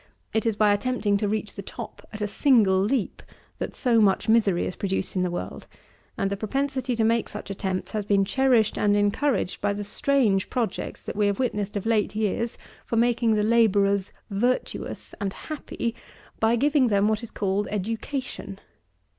It is by attempting to reach the top at a single leap that so much misery is produced in the world; and the propensity to make such attempts has been cherished and encouraged by the strange projects that we have witnessed of late years for making the labourers virtuous and happy by giving them what is called education.